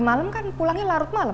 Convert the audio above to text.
masa pagi pagi udah pergi lagi